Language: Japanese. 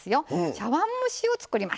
茶碗蒸しを作ります。